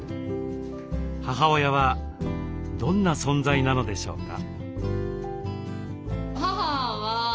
母親はどんな存在なのでしょうか。